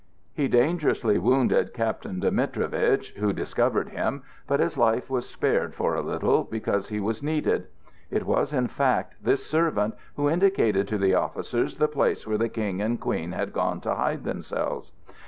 He dangerously wounded Captain Dimitrevitch, who discovered him, but his life was spared for a little, because he was needed. It was in fact this servant who indicated to the officers the place where the King and the Queen had gone to hide themselves.